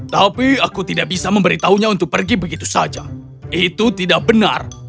tapi aku tidak bisa memberitahunya untuk pergi begitu saja itu tidak benar